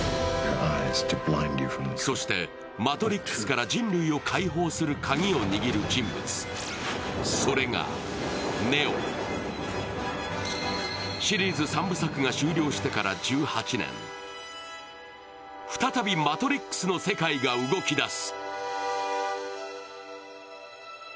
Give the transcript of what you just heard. そしてマトリックスから人類を解放するカギを握る人物、それがネオシリーズ３部作が終了してから１８年、再び「マトリックス」の世界が動き出す。